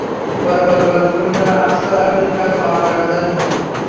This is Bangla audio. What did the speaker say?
পরে গতকাল দুপুরে তাঁরা আফসার আলীর কাছে পাওনা টাকা চাইতে যান।